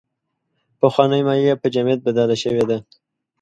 پخوانۍ مایع په جامد بدله شوې ده.